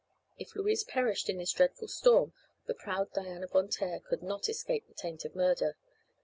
If Louise perished in this dreadful storm the proud Diana Von Taer could not escape the taint of murder.